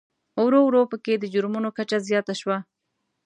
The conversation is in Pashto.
ورو ورو په کې د جرمومو کچه زیاته شوه.